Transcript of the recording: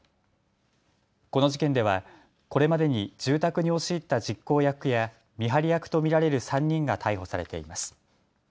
この事件ではこれまでに住宅に押し入った実行役や見張り役と見られる３人が逮捕されています。